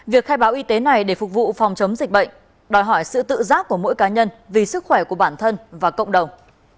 việc khai báo y tế này để phục vụ phòng chống dịch bệnh đòi hỏi sự tự giác của mỗi cá nhân vì sức khỏe của bản thân và cộng đồng